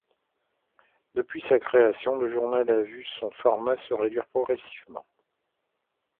Depuis sa création, le journal a vu son format se réduire progressivement.